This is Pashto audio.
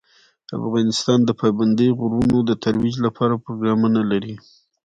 افغانستان د پابندي غرونو د ترویج لپاره پروګرامونه لري.